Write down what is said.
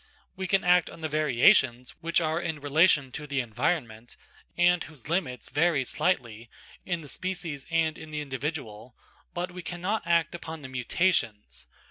We can act on the variations which are in relation to the environment, and whose limits vary slightly in the species and in the individual, but we cannot act upon the mutations.